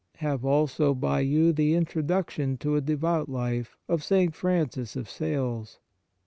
Have also by you the " Introduction to a Devout Life " of St. Francis of Sales.